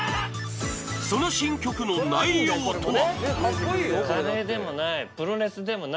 その新曲の内容とは。